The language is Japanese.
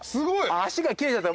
足が切れちゃった。